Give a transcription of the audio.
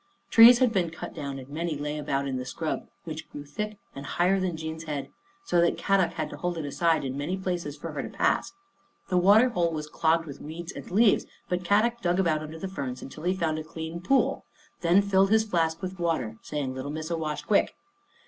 Trees had been cut down and many lay about in the scrub, which grew thick and higher than Jean's head, so that Kadok had to hold it aside in many places for her to pass. The water hole was clogged with weeds and leaves, but Kadok 8o Our Little Australian Cousin dug about under the ferns until he found a clean pool, then filled his flask with water, saying, " Little Missa wash quick."